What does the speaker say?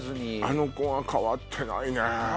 あの子は変わってないね。